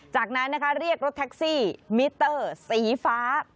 จากนั้นนะคะเรียกรถแท็กซี่มิเตอร์สีฟ้า